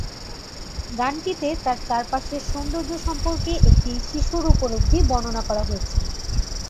গানটিতে তার চারপাশের সৌন্দর্য্য সম্পর্কে একটি শিশুর উপলব্ধি বর্ণনা করা হয়েছে।